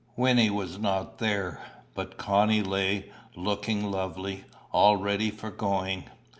Wynnie was not there; but Connie lay, looking lovely, all ready for going.